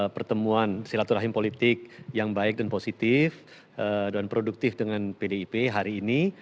pertemuan silaturahim politik yang baik dan positif dan produktif dengan pdip hari ini